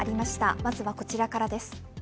まずはこちらからです．